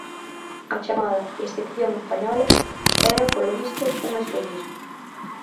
A chamada 'excepción española' era, polo visto, un espellismo.